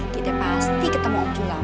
kita pasti ketemu oculaw